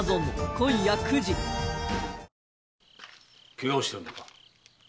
ケガをしておるのか？